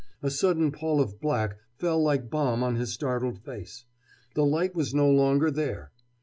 A sudden pall of black fell like balm on his startled face. The light was no longer there.